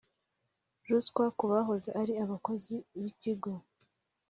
ruswa Ku bahoze ari abakozi b Ikigo